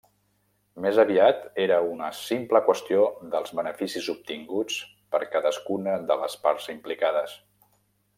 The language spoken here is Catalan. Més aviat, era una simple qüestió dels beneficis obtinguts per cadascuna de les parts implicades.